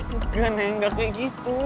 enggak neng gak kayak gitu